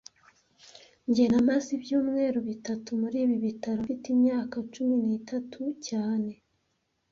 Njye namaze ibyumweru bitatu muri ibi bitaro mfite imyaka cumi n'itatu cyane